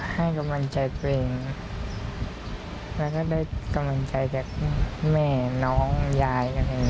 ให้กำลังใจตัวเองและก็ได้กำลังใจจากแม่น้องยายอะไรอย่างเงี้ย